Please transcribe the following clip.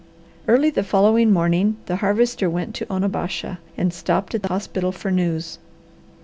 Early the following morning the Harvester went to Onabasha and stopped at the hospital for news.